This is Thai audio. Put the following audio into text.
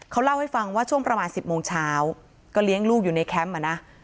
เขาเล่าให้ฟังว่าช่วงประมาณ๑๐โมงเช้าก็เลี้ยงลูกอยู่ในแคมป์อ่ะนะ